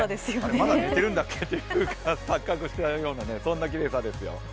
まだ寝てるんだっけって錯覚しているようなそんなきれいさですよ。